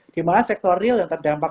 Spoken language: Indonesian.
dimana sektor real yang terdampak